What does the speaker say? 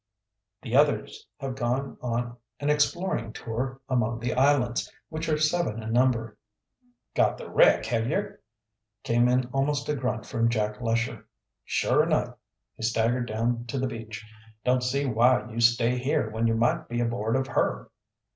The others have gone on an exploring tour among the islands, which are seven in number." "Got the wreck, have yer!" came in almost a grunt from Jack Lesher. "Sure enough!" He staggered down to the beach. "Don't see why you stay here when you might be aboard of her."